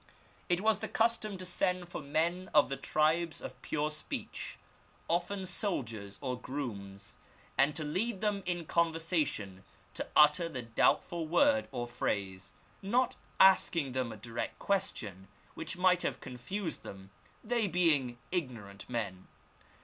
It was the custom to send for men of the tribes of pure speech, often soldiers or grooms, and to lead them in conversation to utter the doubtful word or phrase, not asking them a direct question, which might have confiised them, they being ignorant men.